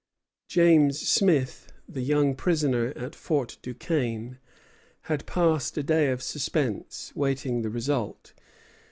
James Smith, the young prisoner at Fort Duquesne, had passed a day of suspense, waiting the result.